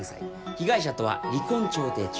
被害者とは離婚調停中。